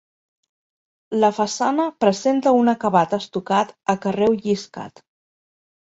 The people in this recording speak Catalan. La façana presenta un acabat estucat a carreu lliscat.